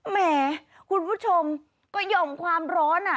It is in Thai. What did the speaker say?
แหมคุณผู้ชมก็หย่อมความร้อนอ่ะ